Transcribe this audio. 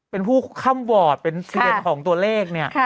เป็นผู้ค่ำวอร์ดเป็นเซียนของตัวเลขเนี่ย